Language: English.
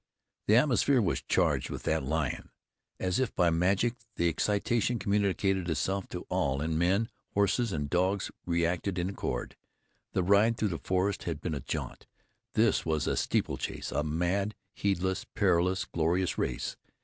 The atmosphere was charged with that lion. As if by magic, the excitation communicated itself to all, and men, horses and dogs acted in accord. The ride through the forest had been a jaunt. This was a steeplechase, a mad, heedless, perilous, glorious race.